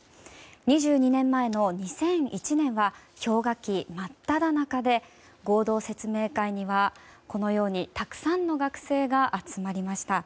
２２年前の２００１年は氷河期真っただ中で合同説明会には、このようにたくさんの学生が集まりました。